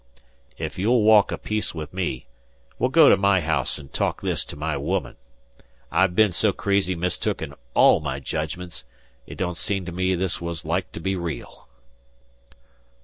"If you'll walk a piece with me, we'll go to my house an' talk this to my woman. I've bin so crazy mistook in all my jedgments, it don't seem to me this was like to be real."